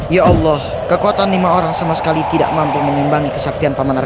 ya allah kekuatan lima orang sama sekali tidak mampu mengimbangi kesaktian pameran